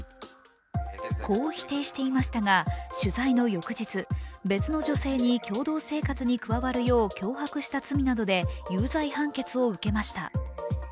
こう否定していましたが取材の翌日別の女性に共同生活に加わるよう脅迫した罪などで有罪判決を受けました。